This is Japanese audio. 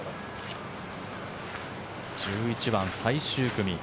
１１番、最終組。